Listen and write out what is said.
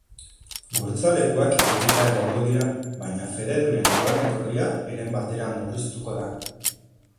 Gurtza-lekuak irekita egongo dira, baina fededunen joan-etorria heren batera murriztuko da.